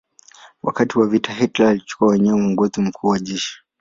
Wakati wa vita Hitler alichukua mwenyewe uongozi mkuu wa jeshi.